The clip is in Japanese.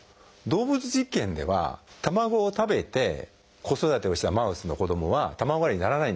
動物実験では卵を食べて子育てをしたマウスの子どもは卵アレルギーにならないんですよ。